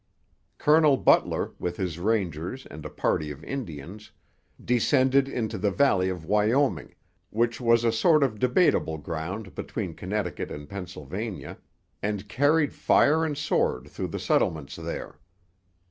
Colonel Butler, with his Rangers and a party of Indians, descended into the valley of Wyoming, which was a sort of debatable ground between Connecticut and Pennsylvania, and carried fire and sword through the settlements there.